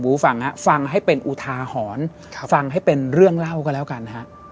ฟังฮะฟังให้เป็นอุทาหรณ์ฟังให้เป็นเรื่องเล่าก็แล้วกันฮะ